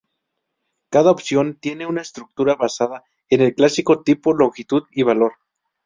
Cada opción tiene una estructura basada en el clásico "tipo, longitud y valor".